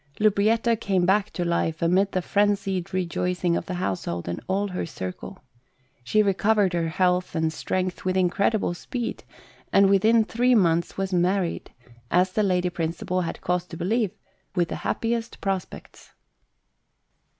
Lubrietta came back to life amid the frenzied rejoicing of the household and all her circle. She recovered her health and strength with incredible speed, and within three months was married — as the Lady Principal had cause to believe, with the happiest prospects.